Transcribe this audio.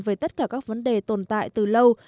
về tất cả các vấn đề tồn tại từ lâu